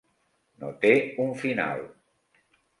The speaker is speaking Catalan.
No té un final.